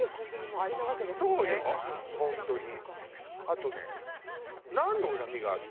あとね。